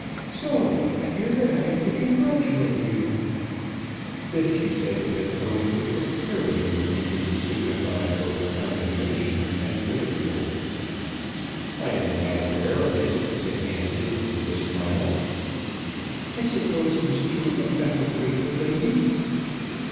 So I hear that I am to congratulate you." This she said in a tone which was clearly intended to signify both condemnation and ridicule. "I am not aware of it," said Hampstead with a smile. "I suppose it is true about the Quaker lady?"